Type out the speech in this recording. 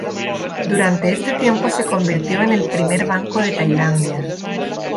Durante este tiempo se convirtió en el primer banco de Tailandia.